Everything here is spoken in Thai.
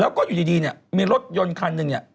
แล้วก็อยู่ดีมีรถยนต์คันหนึ่ง